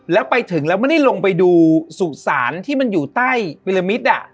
แล้วไปถึงแล้วไม่ได้ลงไปดูสุสานที่มันอยู่ใต้วิลมิต